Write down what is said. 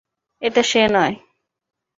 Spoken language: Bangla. এটা সে নয়!